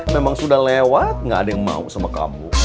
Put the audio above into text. memang sudah lewat gak ada yang mau sama kamu